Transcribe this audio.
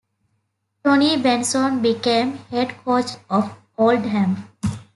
Tony Benson became head coach of Oldham.